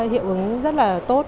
hiệu ứng rất là tốt